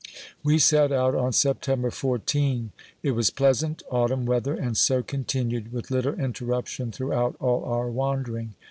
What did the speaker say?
We set out on September 14; it was pleasant autumn weather, and so continued, with little interruption, through out all our wandering.